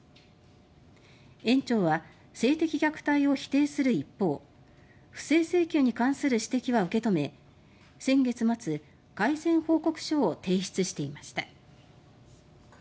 園長は性的虐待を否定する一方不正請求に関する指摘は受け止め先月末、改善報告書を提出していました。